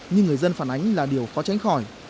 nhưng người dân phản ánh là điều khó tránh khỏi